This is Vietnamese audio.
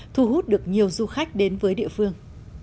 thu hút được nhiều du khách đến với địa phương